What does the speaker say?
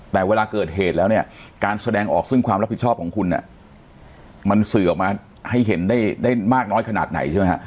แต่เวลาเกิดเหตุแล้วเนี่ยการแสดงออกซึ่งความรับผิดชอบของคุณมันสื่อออกมาให้เห็นได้มากน้อยขนาดไหนใช่ไหมฮะ